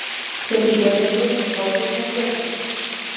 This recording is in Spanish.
Su pico es negruzco, corto y puntiagudo.